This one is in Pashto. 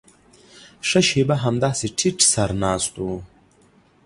ښه شېبه همداسې ټيټ سر ناست و.